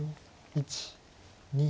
１２。